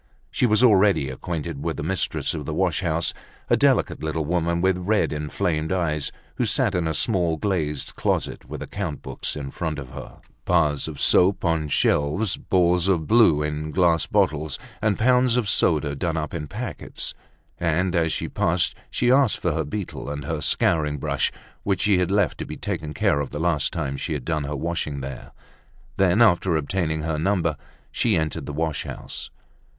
She was already acquainted with the mistress of the wash house, a delicate little woman with red, inflamed eyes, who sat in a small glazed closet with account books in front of her, bars of soap on shelves, balls of blue in glass bowls, and pounds of soda done up in packets; and, as she passed, she asked for her beetle and her scouring brush, which she had left to be taken care of the last time she had done her washing there. Then, after obtaining her number, she entered the wash house.